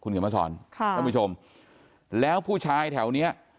คุณเงินมันสอนค่ะแล้วผู้ชายแถวนี้